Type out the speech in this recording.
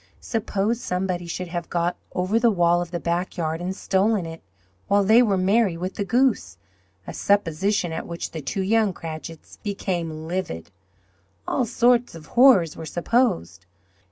Suppose somebody should have got over the wall of the backyard and stolen it, while they were merry with the goose a supposition at which the two young Cratchits became livid! All sorts of horrors were supposed.